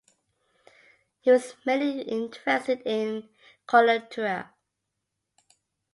He was mainly interested in Coleoptera.